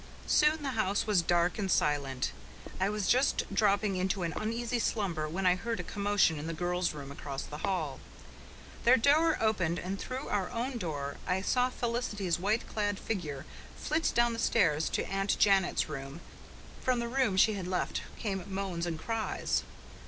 Soon the house was dark and silent. I was just dropping into an uneasy slumber when I heard a commotion in the girls' room across the hall. Their door opened and through our own open door I saw Felicity's white clad figure flit down the stairs to Aunt Janet's room. From the room she had left came moans and cries.